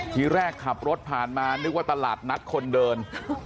ทีแรกขับรถผ่านมานึกว่าตลาดนัดคนเดิน